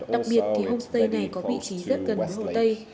đặc biệt thì homestay này có vị trí rất gần với phương tây